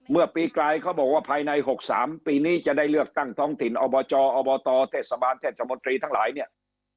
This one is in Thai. เมื่อปีกลายเขาบอกว่าภายใน๖๓ปีนี้จะได้เลือกตั้งท้องถิ่นอบจอบตเทศบาลเทศมนตรีทั้งหลายเนี่ย